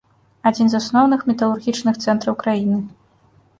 Адзін з асноўных металургічных цэнтраў краіны.